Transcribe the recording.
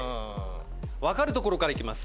分かるところからいきます。